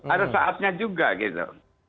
ada saatnya juga gitu